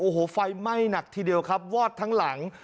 โอ้โหไฟไหม้หนักทีเดียวครับวอดทั้งหลัง